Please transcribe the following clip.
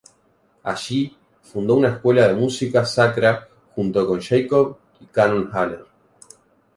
Allí fundó una escuela de música sacra junto con Jacob y Canon Haller.